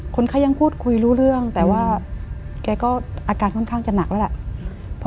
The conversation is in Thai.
คนไข้ยังพูดคุยรู้เรื่องแต่ว่าแกก็อาการค่อนข้างจะหนักแล้วแหละ